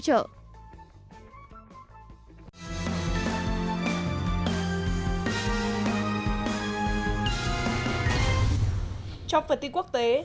trong phần tin quốc tế